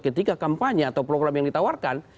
ketika kampanye atau program yang ditawarkan